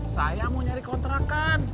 saya mau nyari kontrakan